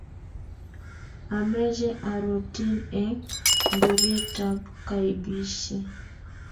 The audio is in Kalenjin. ameche arotin eng ngorietab kaibisie